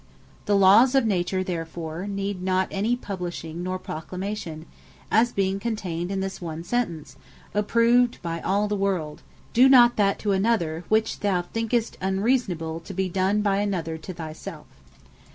The Lawes of Nature therefore need not any publishing, nor Proclamation; as being contained in this one Sentence, approved by all the world, "Do not that to another, which thou thinkest unreasonable to be done by another to thy selfe."